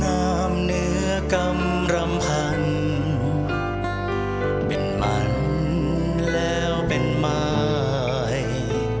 นามเหนือกำลัมพันธ์เป็นหมันแล้วเป็นไม้